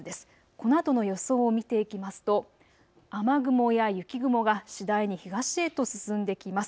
このあとの予想を見ていきますと雨雲や雪雲が次第に東へと進んできます。